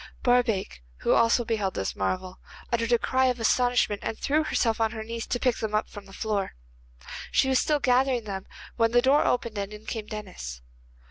Barbaik, who also beheld this marvel, uttered a cry of astonishment, and threw herself on her knees to pick them up from the floor. She was still gathering them when the door opened and in came Denis.